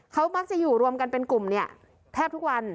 เขามักจะอยู่รวมกันเป็นกลุ่มเนี่ยแทบทุกวัน